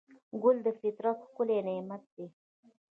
ګل د فطرت ښکلی نعمت دی.